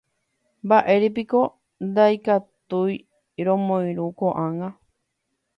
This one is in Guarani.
Mba'érepiko ndaikatúi romoirũ ko'ág̃a